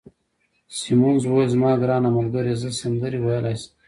سیمونز وویل: زما ګرانه ملګرې، زه سندرې ویلای شم.